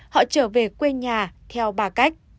họ trở về quê nhà theo ba cách